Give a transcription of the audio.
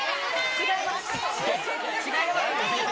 違いますよ。